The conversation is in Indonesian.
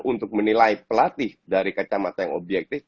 untuk menilai pelatih dari kacamata yang objektif